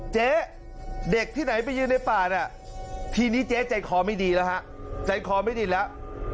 เจ๊เด็กที่ไหนไปยืนในป่าน่ะทีนี้เจ๊ใจคอไม่ดีแล้วฮะใจคอไม่ดีแล้ว